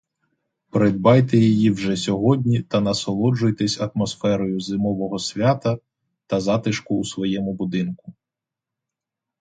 Придбайте її вже сьогодні та насолоджуйтесь атмосферою зимового свята та затишку у своєму будинку!